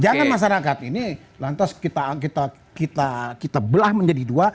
jangan masyarakat ini lantas kita belah menjadi dua